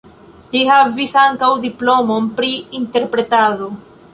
Li havis ankaŭ diplomon pri interpretado.